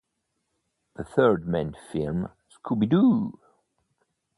The third main film Scooby-Doo!